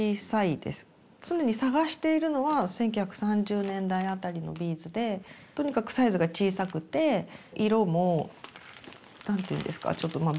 常に探しているのは１９３０年代あたりのビーズでとにかくサイズが小さくて色も何て言うんですかちょっとまあ